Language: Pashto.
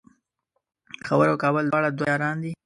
پیښور او کابل دواړه دوه یاران دی